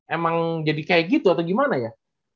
emang jadi kayak gitu atau gimana ya